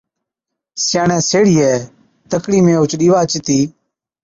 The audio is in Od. سِياڻي سيهڙِِيئَي تڪڙِي ۾ اوهچ ڏِيوا چتِي،